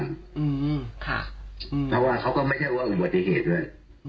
เพราะว่าเขาก็ไม่ใช่ว่าอุบัติเหตุด้วย